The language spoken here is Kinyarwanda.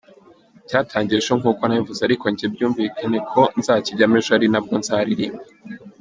Cyatangiye ejo nkuko nabivuze ariko njye byumvikane ko nzakijyamo ejo ari nabwo nzaririmba.